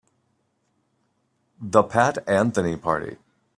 The Pat Anthony Party.